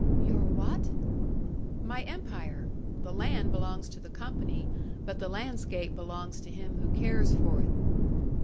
"Your what?" "My empire. The land belongs to the company, but the landscape belongs to him who cares for it."